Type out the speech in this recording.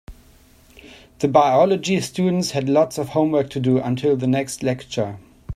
The biology students had lots of homework to do until the next lecture.